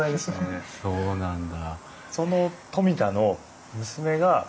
へえそうなんだ。